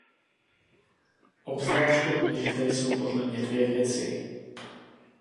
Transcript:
Obzvláště důležité jsou podle mě dvě věci.